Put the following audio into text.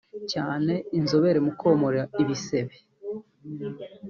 cyane inzobere mu komora ibisebe